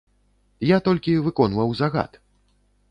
Я толькі выконваў загад.